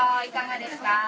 いかがですか。